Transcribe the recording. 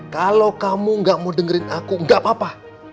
kalo kamu gak mau dengerin aku gak apa apa